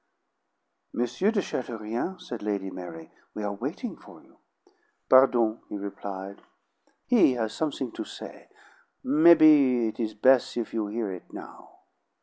"M. de Chateaurien," said Lady Mary, "we are waiting for you." "Pardon," he replied. "He has something to say; maybe it is bes' if you hear it now."